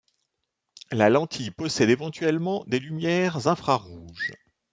La lentille possède éventuellement des lumières infrarouges.